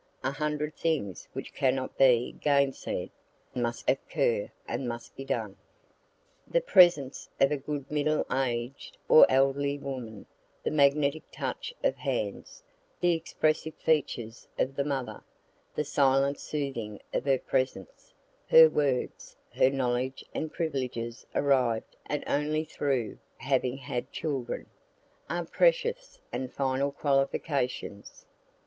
A hundred things which cannot be gainsay'd, must occur and must be done. The presence of a good middle aged or elderly woman, the magnetic touch of hands, the expressive features of the mother, the silent soothing of her presence, her words, her knowledge and privileges arrived at only through having had children, are precious and final qualifications.